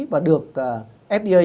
và được fda